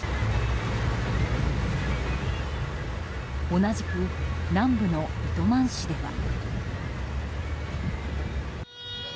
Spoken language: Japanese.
同じく南部の糸満市では。